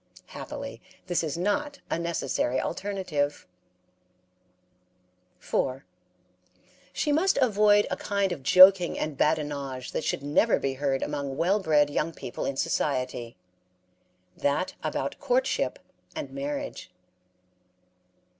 Happily, this is not a necessary alternative. 4. She must avoid a kind of joking and badinage that should never be heard among well bred young people in society that about courtship and marriage.